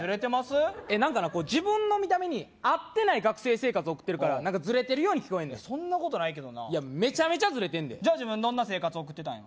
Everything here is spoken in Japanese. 何かな自分の見た目に合ってない学生生活送ってるからずれてるように聞こえんねんそんなことないけどなメチャメチャずれてんで自分どんな生活送ってたんよ？